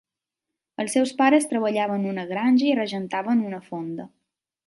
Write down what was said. Els seus pares treballaven una granja i regentaven una fonda.